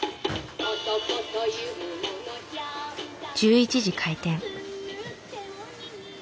１１時開店。